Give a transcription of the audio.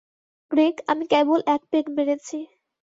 Greg, আমি কেবল এক পেগ মেরেছি।